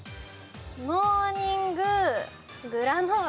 モーニンググラノーラ。